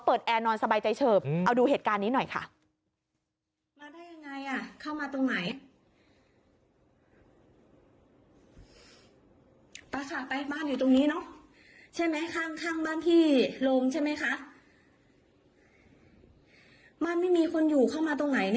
แอร์นอนสบายใจเฉิบเอาดูเหตุการณ์นี้หน่อยค่ะ